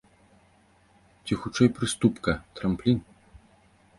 Ці хутчэй прыступка, трамплін?